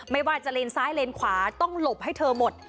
ไม่ว่าจะเลนซ้ายเลนขวาต้องหลบให้เธอหมด